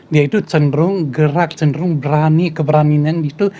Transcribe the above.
dia itu cenderung gerak cenderung berani keberanian gitu